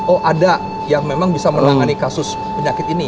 oh ada yang memang bisa menangani kasus penyakit ini